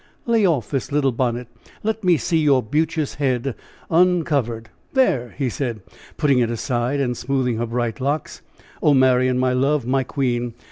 "Lay off this little bonnet. Let me see your beauteous head uncovered. There!" he said, putting it aside, and smoothing her bright locks. "Oh, Marian! my love! my queen!